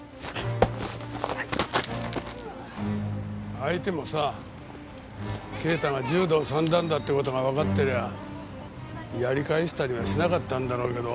相手もさ啓太が柔道三段だって事がわかってりゃあやり返したりはしなかったんだろうけど。